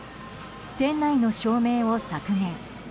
店内の照明を削減。